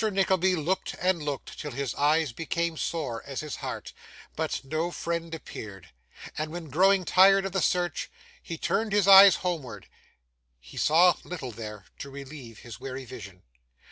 Nickleby looked, and looked, till his eyes became sore as his heart, but no friend appeared; and when, growing tired of the search, he turned his eyes homeward, he saw very little there to relieve his weary vision.